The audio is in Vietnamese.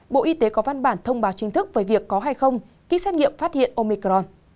bộ y tế có văn bản thông báo chính thức về việc có hay không ký xét nghiệm phát hiện omicron